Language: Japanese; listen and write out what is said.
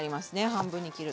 半分に切ると。